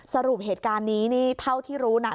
สรุปเหตุการณ์นี้นี่เท่าที่รู้นะ